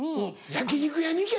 焼き肉屋に行け！